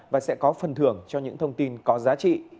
và sẽ có phần thưởng cho những thông tin có giá trị